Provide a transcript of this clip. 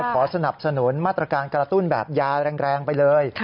ขอสนับสนุนมาตรการกระตุ้นแบบยาแรงไปเลย